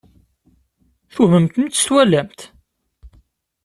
Twehmemt mi tt-twalamt?